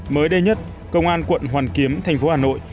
mới đây nhất công an quận hoàn kiếm thành phố hà nội